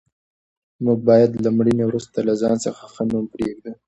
موږ باید له مړینې وروسته له ځان څخه ښه نوم پرېږدو.